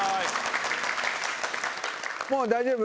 もう大丈夫？